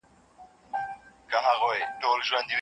ابن القيم، شيخ الإسلام ابن تيمية، الحافظ الذهبي رحمهم الله تعالی.